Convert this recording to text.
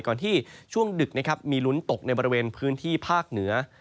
ก่อนที่ช่วงดึกนะครับมีลุ้นตกในบริเวณพื้นที่ภาคเหนือ